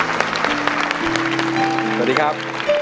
สวัสดีครับ